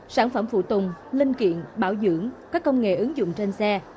sản phẩm phụ tùng linh kiện bảo dưỡng các công nghệ ứng dụng trên xe